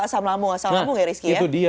asam lamung asam lamung ya rizky ya nah itu dia